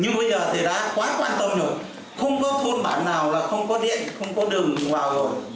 nhưng bây giờ thì đã quá quan tâm rồi không có thôn bản nào là không có điện không có đường vào rồi